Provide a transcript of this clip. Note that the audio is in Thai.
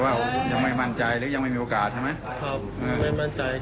ว่ายังไม่มั่นใจหรือยังไม่มีโอกาสใช่ไหม